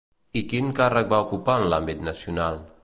I quin càrrec va ocupar en l'àmbit nacional?